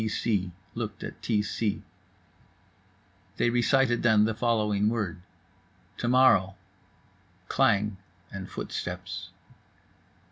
T c looked at T c. They recited then the following word: "To morrow." Klang and footsteps.